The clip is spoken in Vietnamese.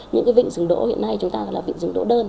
những vịnh rừng đỗ hiện nay chúng ta gọi là vịnh rừng đỗ đơn